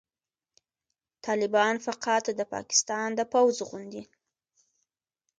طالبان فقط د پاکستان د پوځ غوندې